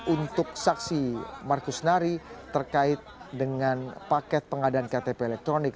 untuk saksi markus nari terkait dengan paket pengadaan ktp elektronik